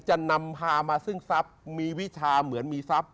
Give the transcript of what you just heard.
จะนำพามาซึ่งทรัพย์มีวิชาเหมือนมีทรัพย